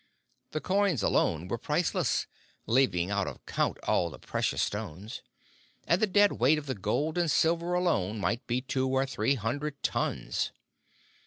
The coins alone were priceless, leaving out of count all the precious stones; and the dead weight of the gold and silver alone might be two or three hundred tons.